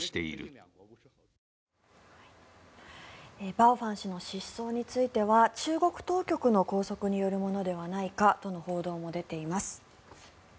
バオ・ファン氏の失踪については中国当局の拘束によるものではないかとの報道も出ています。